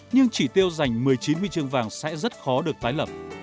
nhưng chỉ tiêu giành một mươi chín huy chương vàng sẽ rất khó được tái lập